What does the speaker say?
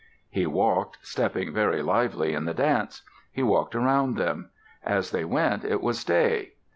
He walked, stepping very lively in the dance. He walked around them. As they went, it was day.